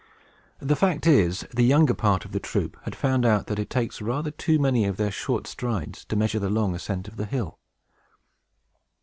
The fact is, the younger part of the troop have found out that it takes rather too many of their short strides to measure the long ascent of the hill.